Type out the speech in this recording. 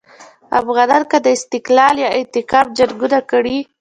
افغانانو که د استقلال یا انتقام جنګونه کړي.